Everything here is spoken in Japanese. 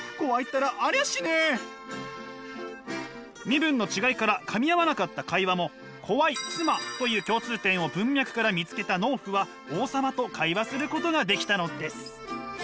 身分の違いからかみ合わなかった会話も「怖い妻」という共通点を文脈から見つけた農夫は王様と会話することができたのです。